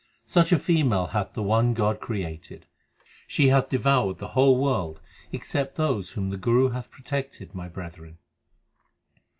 Such a female hath the one God created. She hath devoured the whole world except those whom the Guru hath protected, my brethren.